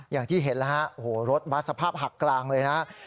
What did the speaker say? อย่างที่เห็นแล้วฮะโอ้โหรถบัสสภาพหักกลางเลยนะ